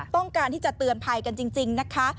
ต้องการที่จะเตือนภัยกันจริงนะคะ